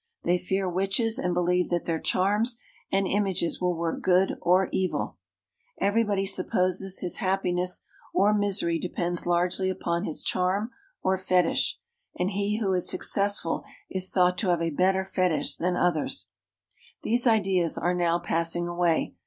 They fear witches, and believe that their charms and images will work good or evil. Everybody supposes his happiness or misery depends largely upon his charm or fetish ; and he who is success ful is thought to have a better fetish than others. These ideas are now passing away.